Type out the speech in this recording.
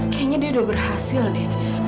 kayaknya dia udah berhasil deh